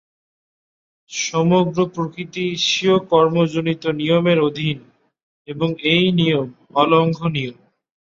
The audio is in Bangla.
সমগ্র প্রকৃতি স্বীয় কর্মজনিত নিয়মের অধীন এবং এই নিয়ম অলঙ্ঘনীয়।